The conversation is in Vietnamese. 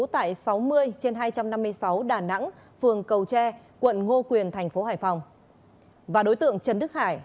tại sáu mươi trên hai trăm năm mươi sáu đà nẵng phường cầu tre quận ngô quyền thành phố hải phòng và đối tượng trần đức hải